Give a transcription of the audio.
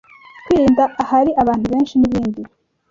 kwirinda ahari abantu benshi n'ibindi